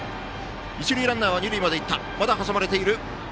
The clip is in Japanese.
一塁ランナーは、二塁までいった。